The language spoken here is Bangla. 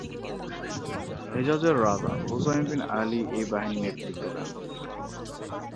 হেজাজের রাজা হুসাইন বিন আলী এই বাহিনীর নেতৃত্ব দেন।